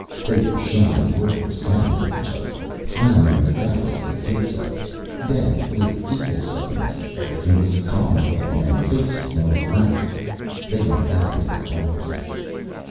They were shouting wordless sounds at each other, floundering about as they did so. Then, with equal suddenness, everything was calm again and, faces more relaxed, they went back into their offices.